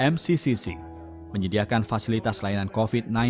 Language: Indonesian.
mccc menyediakan fasilitas layanan covid sembilan belas